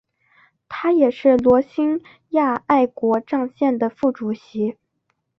他也是罗兴亚爱国障线的副主席。